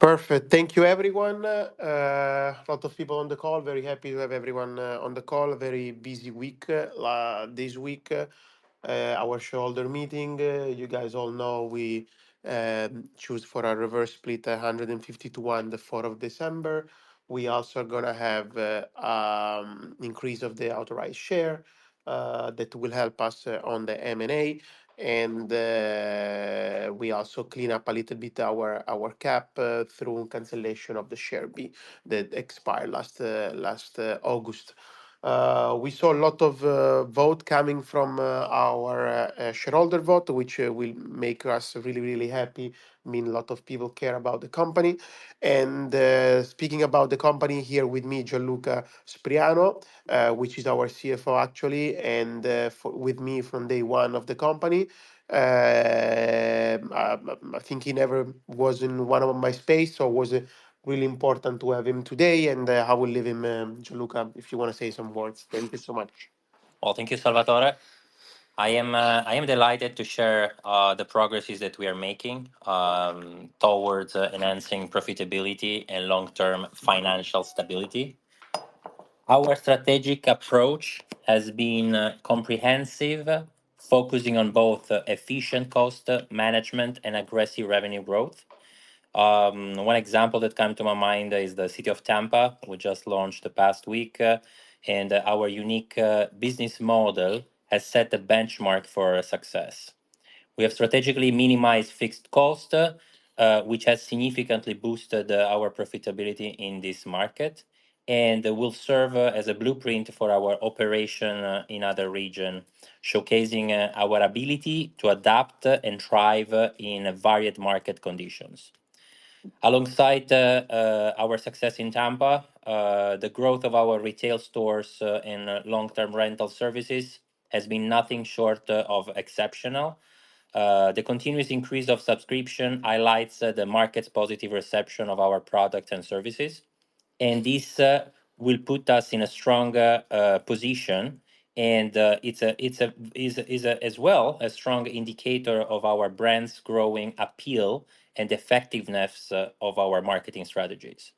Perfect. Thank you, everyone. A lot of people on the call. Very happy to have everyone on the call. A very busy week this week. Our shareholder meeting, you guys all know we choose for a reverse split, 150-to-1, December 4. We also gonna have increase of the authorized share that will help us on the M&A, and we also clean up a little bit our cap through cancellation of the Share B that expired last August. We saw a lot of vote coming from our shareholder vote, which will make us really, really happy. Mean a lot of people care about the company. Speaking about the company, here with me, Gianluca Spriano, which is our CFO, actually, and with me from day one of the company. I think he never was in one of my space, so it was really important to have him today, and I will leave him, Gian Luca, if you wanna say some words. Thank you so much. Well, thank you, Salvatore. I am, I am delighted to share the progresses that we are making towards enhancing profitability and long-term financial stability. Our strategic approach has been comprehensive, focusing on both efficient cost management and aggressive revenue growth. One example that come to my mind is the city of Tampa. We just launched the past week, and our unique business model has set the benchmark for success. We have strategically minimized fixed cost, which has significantly boosted our profitability in this market, and will serve as a blueprint for our operation in other region, showcasing our ability to adapt and thrive in varied market conditions. Alongside our success in Tampa, the growth of our retail stores and long-term rental services has been nothing short of exceptional. The continuous increase of subscription highlights the market's positive reception of our products and services, and this will put us in a stronger position. It's as well a strong indicator of our brand's growing appeal and effectiveness of our marketing strategies.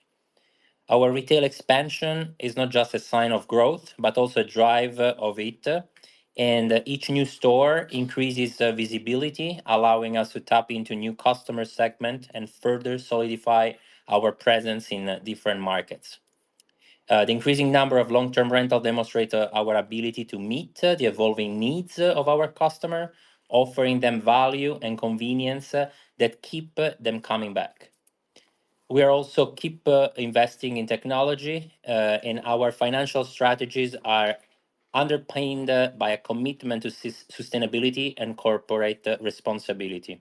Our retail expansion is not just a sign of growth, but also a driver of it, and each new store increases visibility, allowing us to tap into new customer segment and further solidify our presence in different markets. The increasing number of long-term rental demonstrate our ability to meet the evolving needs of our customer, offering them value and convenience that keep them coming back. We are also keep investing in technology, and our financial strategies are underpinned by a commitment to sustainability and corporate responsibility.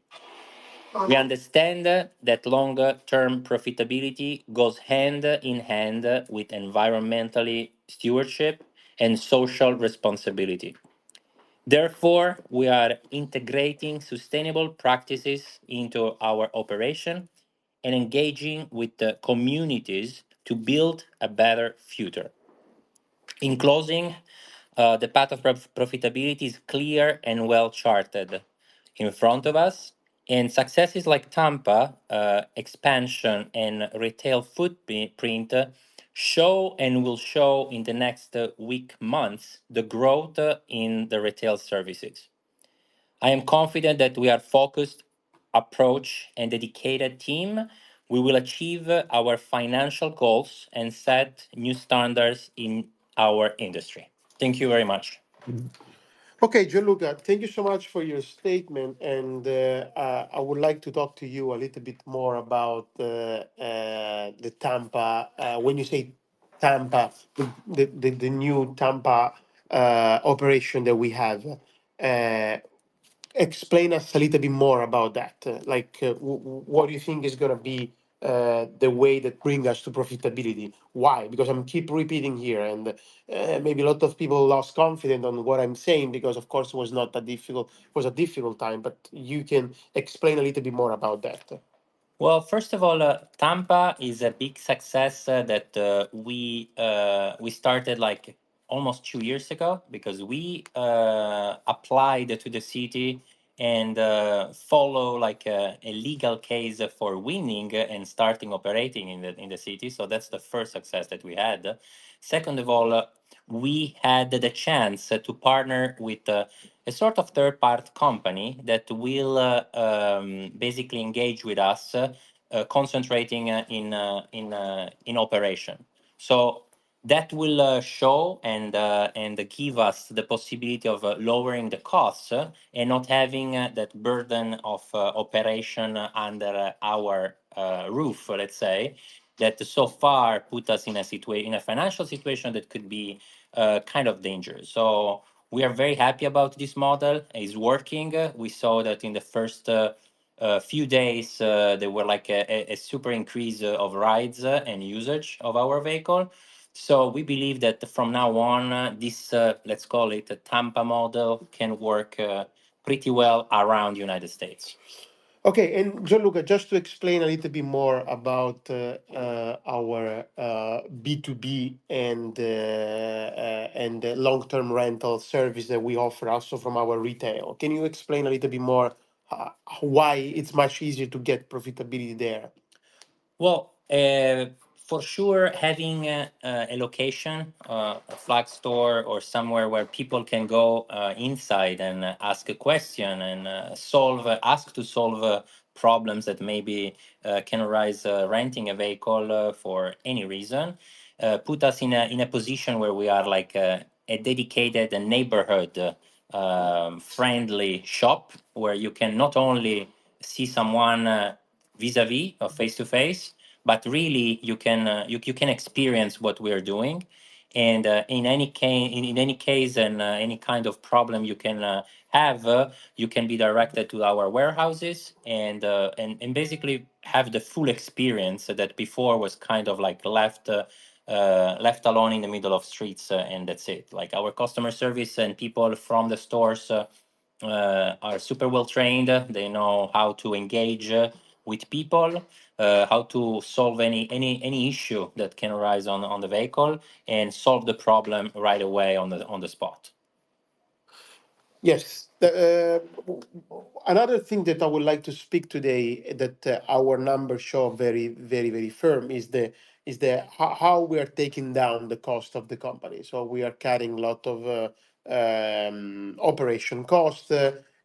We understand that longer-term profitability goes hand in hand with environmental stewardship and social responsibility. Therefore, we are integrating sustainable practices into our operation and engaging with the communities to build a better future. In closing, the path of profitability is clear and well-charted in front of us, and successes like Tampa expansion and retail footprint show and will show in the next week, months, the growth in the retail services. I am confident that we are focused approach and dedicated team, we will achieve our financial goals and set new standards in our industry. Thank you very much. Okay, Gian Luca, thank you so much for your statement, and I would like to talk to you a little bit more about the Tampa. When you say Tampa, the new Tampa operation that we have, explain us a little bit more about that. Like, what do you think is gonna be the way that brings us to profitability? Why? Because I'm keep repeating here, and maybe a lot of people lost confidence on what I'm saying, because of course, it was a difficult time, but you can explain a little bit more about that. Well, first of all, Tampa is a big success that we started like almost two years ago, because we applied to the city and follow like a a legal case for winning and starting operating in the in the city. So that's the first success that we had. Second of all, we had the chance to partner with a sort of third-party company that will basically engage with us concentrating in in in operation. So that will show and and give us the possibility of lowering the costs and not having that burden of operation under our roof, let's say, that so far put us in a situation in a financial situation that could be kind of dangerous. So we are very happy about this model. It's working. We saw that in the first few days, there were, like, a super increase of rides and usage of our vehicle. So we believe that from now on, this, let's call it a Tampa model, can work pretty well around United States. Okay, and Gianluca, just to explain a little bit more about our B2B and long-term rental service that we offer also from our retail, can you explain a little bit more why it's much easier to get profitability there?... Well, for sure, having a location, a flagship store or somewhere where people can go inside and ask a question and ask to solve problems that maybe can arise renting a vehicle for any reason put us in a position where we are like a dedicated and neighborhood friendly shop, where you can not only see someone vis-à-vis or face-to-face, but really you can experience what we are doing. And in any case and any kind of problem you can have you can be directed to our warehouses and basically have the full experience that before was kind of like left alone in the middle of streets and that's it. Like, our customer service and people from the stores are super well-trained. They know how to engage with people, how to solve any issue that can arise on the vehicle, and solve the problem right away on the spot. Yes. Another thing that I would like to speak today, that our numbers show very, very, very firm, is how we are taking down the cost of the company. So we are cutting a lot of operation costs,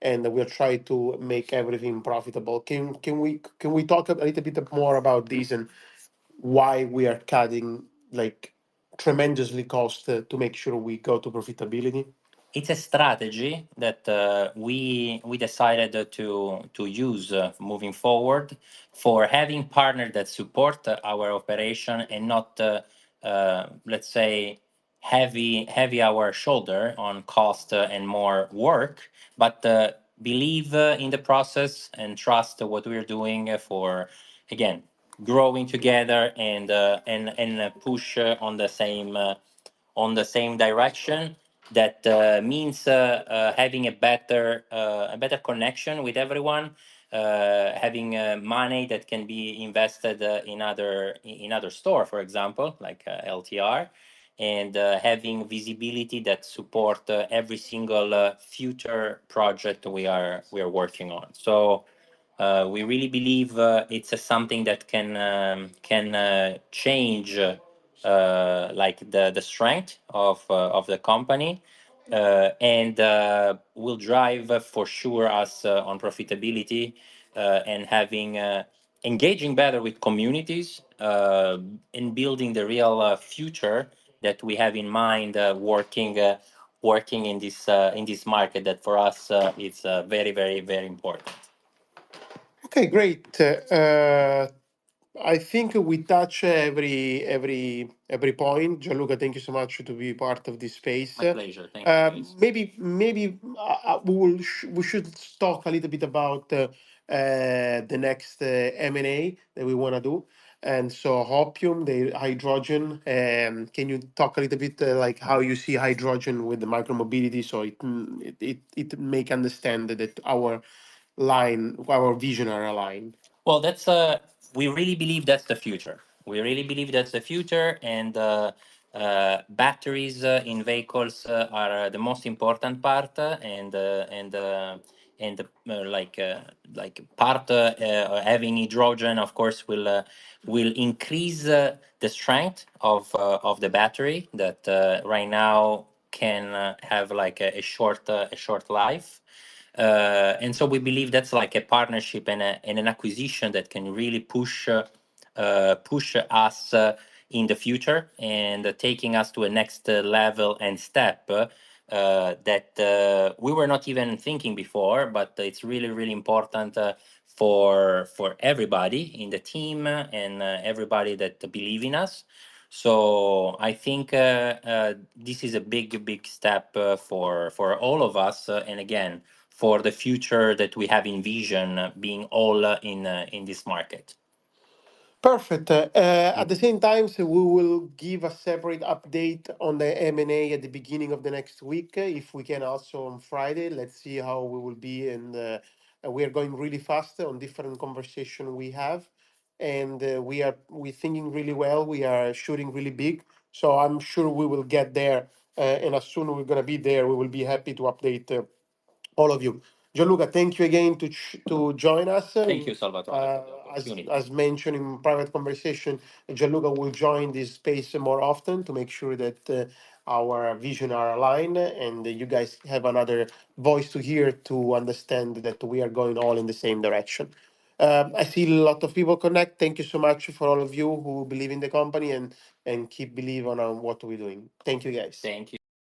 and we are trying to make everything profitable. Can we talk a little bit more about this, and why we are cutting, like, tremendously cost to make sure we go to profitability? It's a strategy that we decided to use moving forward for having partners that support our operation and not, let's say, heavy, heavy our shoulder on cost and more work, but believe in the process and trust what we are doing for, again, growing together and push on the same direction. That means having a better connection with everyone, having money that can be invested in other, in another store, for example, like LTR, and having visibility that support every single future project we are working on. So, we really believe it's something that can change, like, the strength of the company, and will drive for sure us on profitability, and having... engaging better with communities, in building the real future that we have in mind, working in this market, that for us it's very, very, very important. Okay, great. I think we touch every, every, every point. Gian Luca, thank you so much to be part of this space. My pleasure. Thank you. Maybe, maybe, we should talk a little bit about the next M&A that we wanna do, and so Hopium, the hydrogen. Can you talk a little bit, like, how you see hydrogen with the Micromobility so it make understand that it, our line, our vision are aligned? Well, that's... We really believe that's the future. We really believe that's the future, and batteries in vehicles are the most important part, and like part having hydrogen of course will increase the strength of the battery that right now can have like a short life. And so we believe that's like a partnership and an acquisition that can really push us in the future, and taking us to a next level and step that we were not even thinking before, but it's really, really important for everybody in the team and everybody that believe in us. So I think this is a big, big step for all of us, and again, for the future that we have envisioned, being all in this market. Perfect. At the same time, we will give a separate update on the M&A at the beginning of the next week, if we can also on Friday. Let's see how we will be, and we are going really fast on different conversation we have, and we're thinking really well. We are shooting really big, so I'm sure we will get there. And as soon we're gonna be there, we will be happy to update all of you. Gianluca, thank you again to join us. Thank you, Salvatore. As mentioned in private conversation, Gianluca will join this space more often to make sure that our vision are aligned, and you guys have another voice to hear to understand that we are going all in the same direction. I see a lot of people connect. Thank you so much for all of you who believe in the company, and keep believe on what we're doing. Thank you, guys. Thank you.